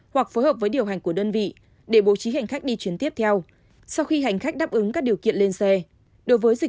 hoặc phối hợp với điều hành của đơn vị để bố trí hành khách đi chuyến tiếp theo